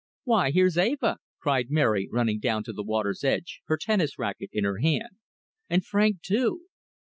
"Why, here's Eva!" cried Mary, running down to the water's edge, her tennis racquet in her hand. "And Frank, too!"